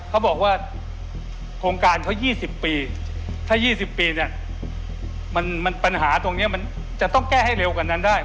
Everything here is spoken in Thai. เขาบอกว่าโครงการเขา๒๐ปีถ้า๒๐ปีเนี่ยมันปัญหาตรงนี้มันจะต้องแก้ให้เร็วกว่านั้นได้